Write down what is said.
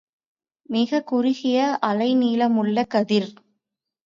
மிகக் குறுகிய அலை நீளமுள்ள கதிர்.